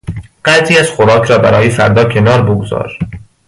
قدری از خوراک را برای فردا کنار بگذار.